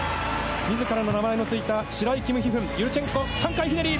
自らの名前の付いたシライ／キム・ヒフンユルチェンコ３回ひねり！